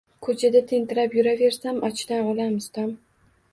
Ko`chada tentirab yuraversam, ochdan o`lamiz, Tom